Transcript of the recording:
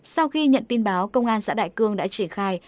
sau khi nhận tin báo công an xã đại cương đã triển khai